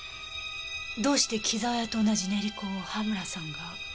どうして紀澤屋と同じ練香を羽村さんが。